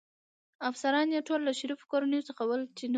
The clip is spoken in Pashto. افسران يې ټول له شریفو کورنیو څخه ول، چې نه و.